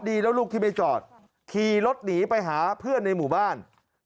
ดีแล้วลูกที่ไม่จอดขี่รถหนีไปหาเพื่อนในหมู่บ้าน